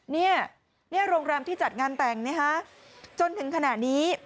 นี่โรงแรมที่จัดงานแต่งนะฮะ